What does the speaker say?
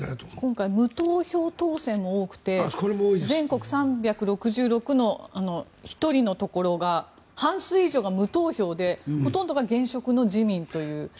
今回無投票当選が多くて全国３６６の１人のところが半数以上が無投票でほとんどが現職の自民党。